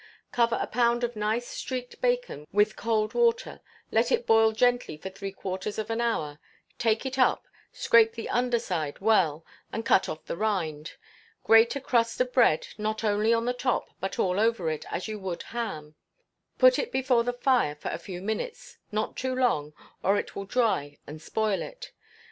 Cover a pound of nice streaked bacon with cold water, let it boil gently for three quarters of an hour; take it up, scrape the under side well, and cut off the rind: grate a crust of bread not only on the top, but all over it, as you would ham, put it before the fire for a few minutes, not too long, or it will dry and spoil it.